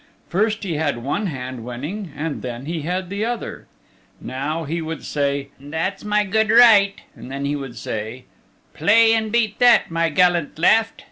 First he had one hand winning and then he had the other. Now he would say "That's my good right," and then he would say "Play and beat that, my gallant left."